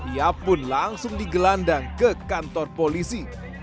ia pun langsung digelandang ke kantor polisi